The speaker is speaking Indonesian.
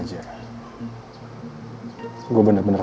gue bener bener sabar tia elsa